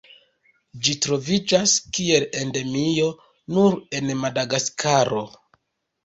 Ĝi troviĝas kiel endemio nur en Madagaskaro.